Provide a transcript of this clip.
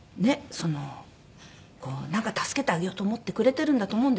そのこうなんか助けてあげようと思ってくれてるんだと思うんですよ。